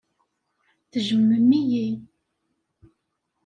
Tejjmem-iyi.